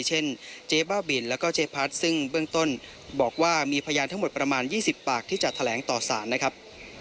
เช่นเจ๊บ้าบินแล้วก็เจ๊พัดซึ่งเบื้องต้นบอกว่ามีพยานทั้งหมดประมาณ๒๐ปากที่จะแถลงต่อสารนะครับ